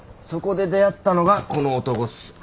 そこで出会ったのがこの男っす。